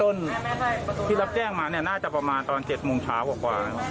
ที่รับแจ้งมาเนี่ยน่าจะประมาณตอน๗โมงเช้ากว่า